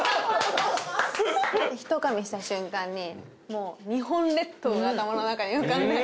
ひとかみした瞬間にもう日本列島が頭の中に浮かんで。